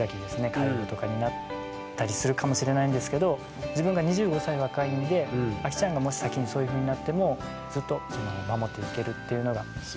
介護とかになったりするかもしれないんですけど自分が２５歳若いんでアキちゃんがもし先にそういうふうになってもずっと守っていけるっていうのが。